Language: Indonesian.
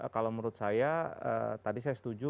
kalau menurut saya tadi saya setuju